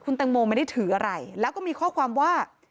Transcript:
แตงโมไม่ได้ถืออะไรแล้วก็มีข้อความว่า